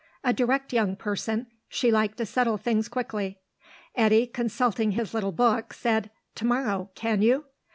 A direct young person; she liked to settle things quickly. Eddy, consulting his little book, said, "To morrow, can you?"